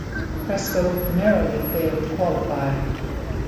Crespo narrowly failed to qualify.